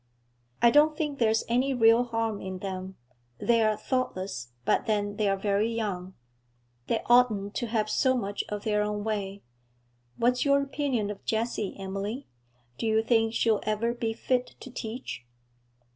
'I don't think there's any real harm in them. They're thoughtless, but then they're very young. They oughtn't to have so much of their own way. What's your opinion of Jessie, Emily? Do you think she'll ever be fit to teach?'